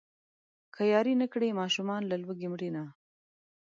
که ياري نه کړي ماشومان له لوږې مرينه.